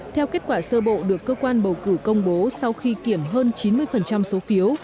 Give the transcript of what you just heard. theo kết quả sơ bộ được cơ quan bầu cử công bố sau khi kiểm hơn chín mươi số phiếu